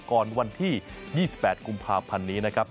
วันที่๒๘กุมภาพันธ์นี้นะครับ